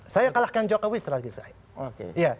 saya kalahkan jokowi strategi saya